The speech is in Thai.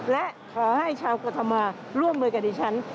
และขอให้ชาวกฎมอล์ร่วมกับดิฉัน